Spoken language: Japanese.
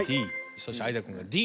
そして相田君が「Ｄ」「。